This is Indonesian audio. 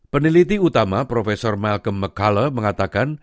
peneliti utama prof malcolm mccullough mengatakan